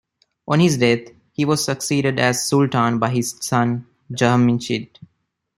On his death, he was succeeded as Sultan by his son Jamshid.